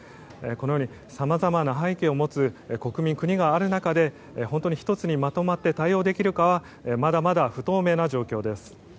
このようにさまざまな背景を持つ国民、国がある中で本当に１つにまとまって対応できるかはまだまだ不透明な状況です。